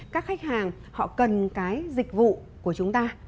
các khách hàng họ cần cái dịch vụ của chúng ta